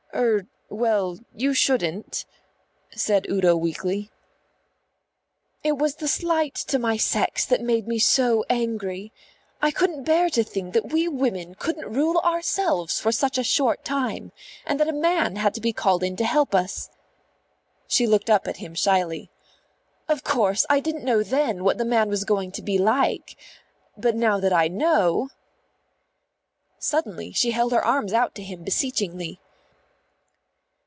"Er, well, you shouldn't," said Udo weakly. "It was the slight to my sex that made me so angry. I couldn't bear to think that we women couldn't rule ourselves for such a short time, and that a man had to be called in to help us." She looked up at him shyly. "Of course I didn't know then what the man was going to be like. But now that I know " Suddenly she held her arms out to him beseechingly.